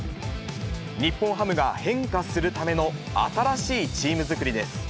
日本ハムが変化するための新しいチーム作りです。